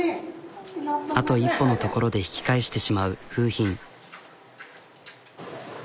あと一歩のところで引き返してしまう楓浜。